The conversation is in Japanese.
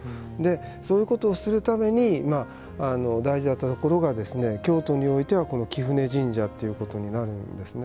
そういうことをするために大事だったところが京都においては貴船神社ということになるんですね。